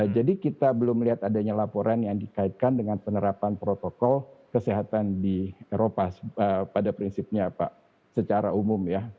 jadi kita belum melihat adanya laporan yang dikaitkan dengan penerapan protokol kesehatan di eropa pada prinsipnya pak secara umum ya